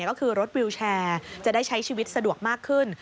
ก็คือรถวิวแชร์จะได้ใช้ชีวิตสะดวกมากขึ้น